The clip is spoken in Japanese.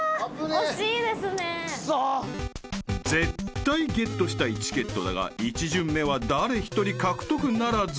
［絶対ゲットしたいチケットだが１巡目は誰一人獲得ならず］